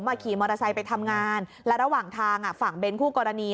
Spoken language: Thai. ขี่มอเตอร์ไซค์ไปทำงานและระหว่างทางฝั่งเน้นคู่กรณี